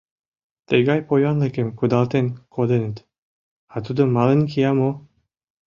Тыгай поянлыкым кудалтен коденыт, а тудо мален кия мо?